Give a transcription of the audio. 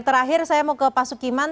terakhir saya mau ke pak sukiman